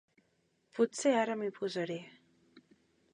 Potser ara m'hi posaré.